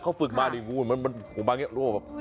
ขอบากนะ